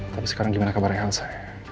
tapi sekarang gimana kabarnya helsa